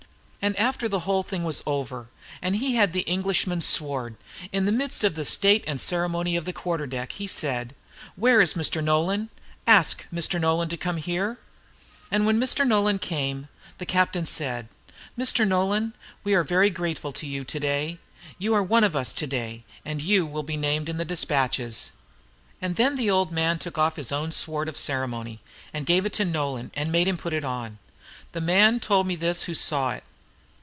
And after the whole thing was over, and he had the Englishman's sword, in the midst of the state and ceremony of the quarter deck, he said, "Where is Mr. Nolan? Ask Mr. Nolan to come here." And when Nolan came, he said, "Mr. Nolan, we are all very grateful to you to day; you are one of us to day; you will be named in the despatches." And then the old man took off his own sword of ceremony, and gave it to Nolan, and made him put it on. The man told me this who saw it.